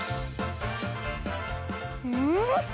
うん！